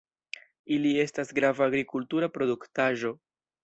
Ili estas grava agrikultura produktaĵo.